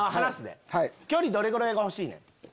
距離どれぐらい欲しい？